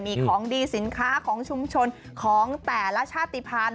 มีของดีสินค้าของชุมชนของแต่ละชาติภัณฑ์